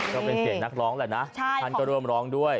ก็เป็นเสียงนักร้องแหละนะท่านก็ร่วมร้องด้วย